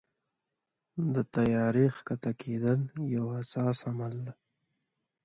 د طیارې کښته کېدل یو حساس عمل دی.